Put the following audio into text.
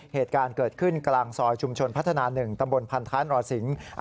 เหตุการณ์เกิดขึ้นกลางซอยชุมชนพัฒนา๑ตำบลพันธานรสิง